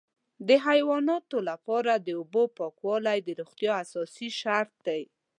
د حیواناتو لپاره د اوبو پاکوالی د روغتیا اساسي شرط دی.